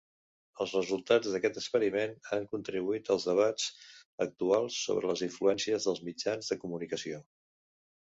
Els resultats d'aquest experiment han contribuït als debats actuals sobre les influències dels mitjans de comunicació.